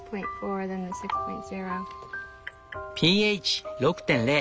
ｐＨ６．０